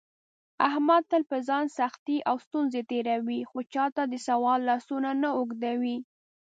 احمد تل په ځان سختې او ستونزې تېروي، خو چاته دسوال لاسونه نه اوږدوي.